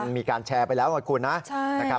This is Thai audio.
มีการแชร์ไปแล้วขอขอบคุณนะ